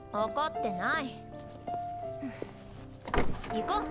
行こう！